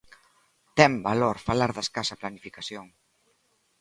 ¡Ten valor falar de escasa planificación!